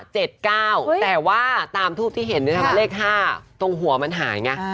แต่ว่าตามทูปที่เห็นเลข๕ตรงหัวมันหายไง